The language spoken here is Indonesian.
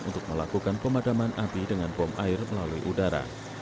untuk melakukan pemadaman api dengan bom air melalui udara